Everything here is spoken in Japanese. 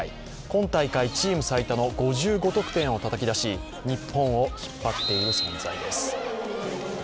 今大会チーム最多の５５得点をたたき出し、日本を引っ張っている存在です。